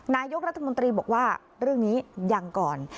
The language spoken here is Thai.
นายกรัฐมนตรีบอกว่าเรื่องนี้ยังก่อน